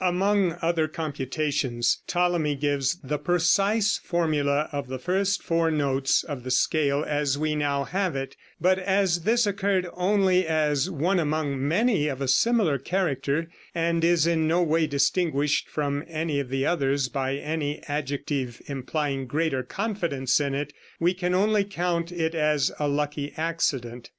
Among other computations, Ptolemy gives the precise formula of the first four notes of the scale as we now have it, but as this occurred only as one among many of a similar character, and is in no way distinguished from any of the others by any adjective implying greater confidence in it, we can only count it as a lucky accident.